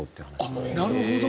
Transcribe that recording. なるほど。